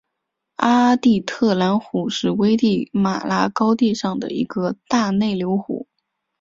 阿蒂特兰湖是危地马拉高地上的一个大内流湖。